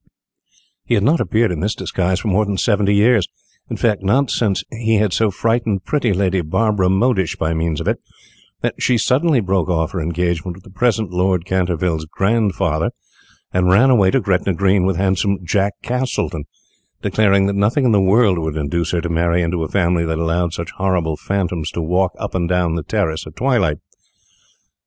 "] He had not appeared in this disguise for more than seventy years; in fact, not since he had so frightened pretty Lady Barbara Modish by means of it, that she suddenly broke off her engagement with the present Lord Canterville's grandfather, and ran away to Gretna Green with handsome Jack Castletown, declaring that nothing in the world would induce her to marry into a family that allowed such a horrible phantom to walk up and down the terrace at twilight.